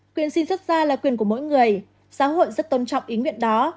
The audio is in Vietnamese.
quyền xin rất ra là quyền của mỗi người giáo hội rất tôn trọng ý nguyện đó